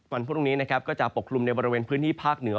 วันพรุ่งนี้นะครับก็จะปกคลุมในบริเวณพื้นที่ภาคเหนือ